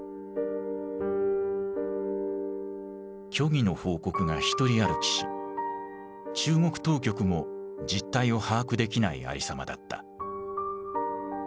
虚偽の報告が独り歩きし中国当局も実態を把握できないありさまだった。